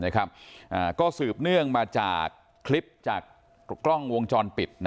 ก็สืบเนื่องมาจากคลิปจากกล้องวงจรปิด